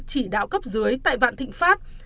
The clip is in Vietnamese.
chỉ đạo cấp dưới tại vạn thịnh pháp